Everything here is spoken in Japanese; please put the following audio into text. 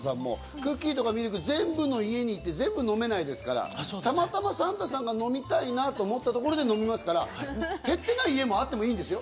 クッキーとかミルク、全部の家に行って全部飲めないですから、たまたまサンタさんが飲みたいなと思ったところで飲みますから減ってない家もあっていいんですよ。